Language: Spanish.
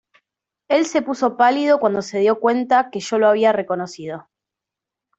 Él se puso pálido cuando se dio cuenta de que yo lo había reconocido.